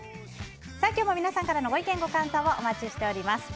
今日も皆さんからのご意見・ご感想をお待ちしています。